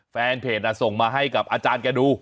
แฟนเพจส่งมาให้กับอาจารย์แกดู